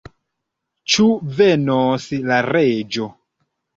Ĉu venos la reĝo?